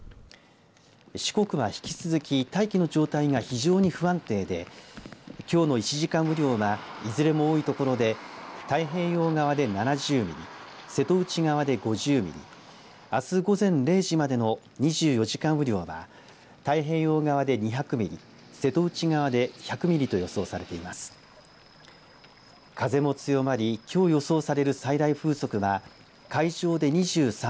四国は引き続き大気の状態が非常に不安定できょうの１時間雨量はいずれも多い所で太平洋側で７０ミリ瀬戸内側で５０ミリあす午前０時までの２４時間雨量は太平洋側で２００ミリ瀬戸内側で１００ミリと予想されています。